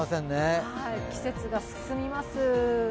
季節が進みます。